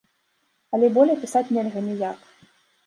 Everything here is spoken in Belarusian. Але болей пісаць нельга ніяк.